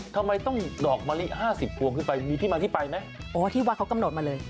ทำไมต้องดอกมะลิห้าสิบพวงขึ้นไปมีที่มาที่ไปไหมโอ้ที่วัดเขากำหนดมาเลย